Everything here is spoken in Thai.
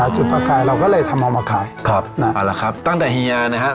จุดประกายเราก็เลยทำออกมาขาย